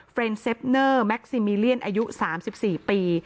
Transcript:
เฟรนซิบเนอร์แมคซีมีเรียนอายุสามสิบสี่ปี